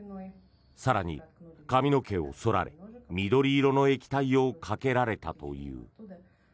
更に、髪の毛を剃られ緑色の液体をかけられたという。